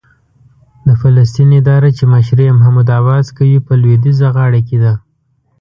د فلسطین اداره چې مشري یې محمود عباس کوي، په لوېدیځه غاړه کې ده.